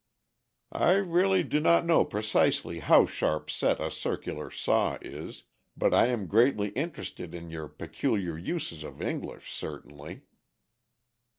"I really do not know precisely how sharp set a circular saw is, but I am greatly interested in your peculiar uses of English, certainly."